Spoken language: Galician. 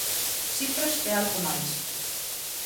Cifras e algo máis